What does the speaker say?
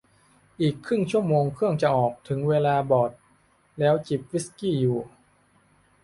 อีกครึ่งชั่วโมงเครื่องจะออก ถึงเวลาบอร์ดแล้วจิบวิสกี้อยู่